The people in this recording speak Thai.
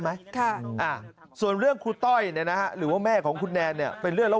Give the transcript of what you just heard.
จนสุดท้ายท่านลุกหนีไปดื้อครับคุณผู้ชมครับ